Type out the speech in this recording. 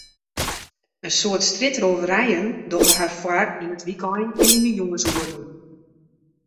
In soad strjitrôverijen dogge har foar yn it wykein en yn de jûnsoeren.